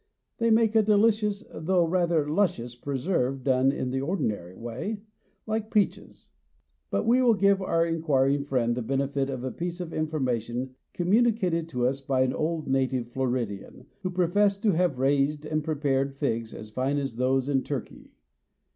They make a delicious though rather luscious preserve done in the ordinary way, like peaches. But we will give our inquiring friend the benefit of a piece of information communicated to us by an old native Floridian, who professed to have raised and prepared figs as fine as those in Turkey.